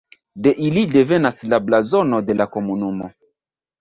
De ili devenas la blazono de la komunumo.